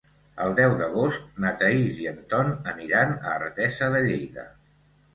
El deu d'agost na Thaís i en Ton aniran a Artesa de Lleida.